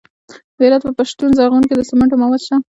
د هرات په پشتون زرغون کې د سمنټو مواد شته.